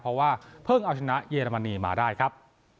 เพราะว่าเพิ่งเอาชนะเยอรมนีมาได้ครับ